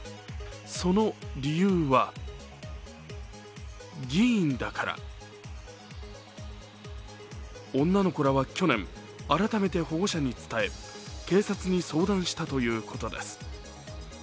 その理由は女の子らは去年、改めて保護者に伝え、警察に相談したということです。